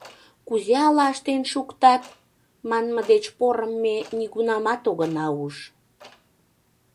«Кузе ала ыштен шуктат?» манме деч порым ме нигунамат огына уж.